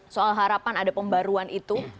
soal harapan ada pembaruan itu